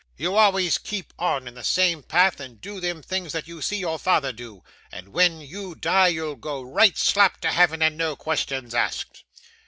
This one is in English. You always keep on in the same path, and do them things that you see your father do, and when you die you'll go right slap to Heaven and no questions asked.